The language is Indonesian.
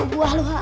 buah lu ha